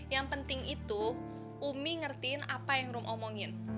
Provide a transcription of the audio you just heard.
yang penting itu umi ngertiin apa yang rum omongin